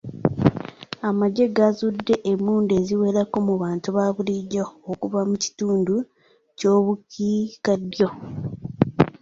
Amagye gaazudde emundu eziwerako mu bantu ba bulijja okuva mu kitundu ky'obukiikaddyo.